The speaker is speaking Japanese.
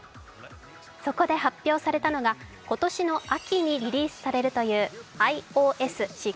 そこで発表されたのが今年の秋にリリースされるというｉＯＳ１６。